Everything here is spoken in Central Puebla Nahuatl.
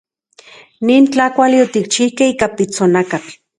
Nin tlakuali otikchijkej ika pitsonakatl.